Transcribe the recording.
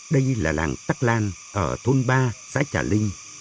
đây là làng tắc lan ở thôn ba xã trà linh